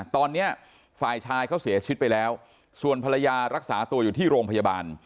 ตอนนี้ฝ่ายชายเขาเสียชีวิตไปแล้วส่วนภรรยารักษาตัวอยู่ที่โรงพยาบาล